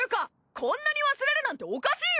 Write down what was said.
こんなに忘れるなんておかしいよ！